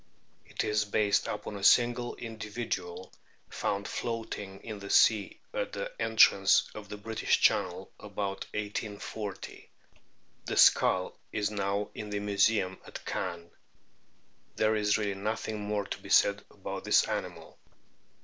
It is based upon a single individual found floating in the sea at the entrance of the British Channel about 1840. The skull is now in the Museum at Caen. There is really nothing more to be said about this animal.